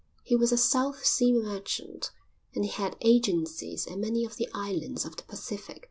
He was a South Sea merchant, and he had agencies in many of the islands of the Pacific.